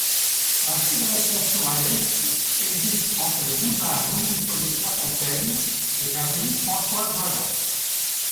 Un second tronçon à l'est existe entre le Boulevard Louis-Hippolyte-Lafontaine et la rue François-Boivin.